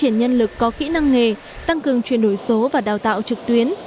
nhân lực có kỹ năng nghề tăng cường chuyển đổi số và đào tạo trực tuyến